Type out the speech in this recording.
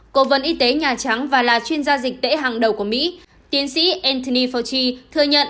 cổ vấn y tế nhà trắng và là chuyên gia dịch tễ hàng đầu của mỹ tiến sĩ anthony fauci thừa nhận